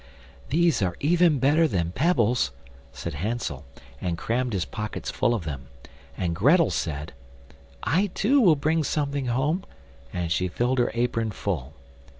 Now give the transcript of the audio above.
"These are even better than pebbles," said Hansel, and crammed his pockets full of them; and Grettel said: "I too will bring something home," and she filled her apron full.